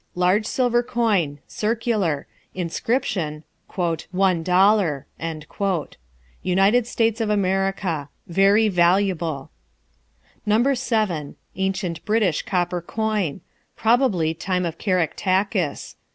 Large silver coin. Circular. Inscription, "One Dollar." United States of America. Very valuable. No. 7. Ancient British copper coin. Probably time of Caractacus.